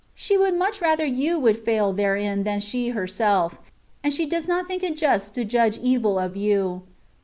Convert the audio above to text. She would much rather you would fail therein than she herself, and she does not think it just to judge evil of you.